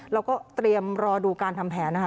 แล้วก็เตรียมรอดูการทำแผนนะคะ